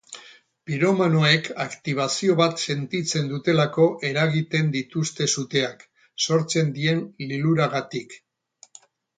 Piromanoek aktibazio bat sentitzen dutelako eragiten dituzte suteak, sortzen dien liluragatik.